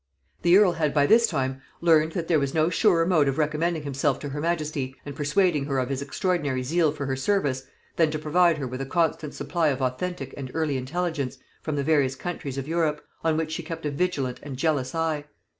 The earl had by this time learned, that there was no surer mode of recommending himself to her majesty, and persuading her of his extraordinary zeal for her service, than to provide her with a constant supply of authentic and early intelligence from the various countries of Europe, on which she kept a vigilant and jealous eye.